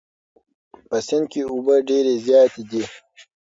په سیند کې اوبه ډېرې زیاتې دي.